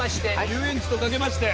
遊園地とかけまして。